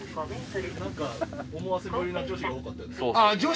何か思わせぶりな女子が多かった。